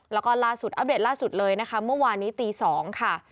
แล้วก็ล่าสุดอัปเดตล่าสุดเลยนะคะเมื่อวานนี้ตี๒ค่ะ